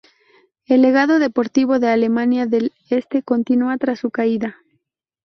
El legado deportivo de Alemania del Este continúa tras su caída.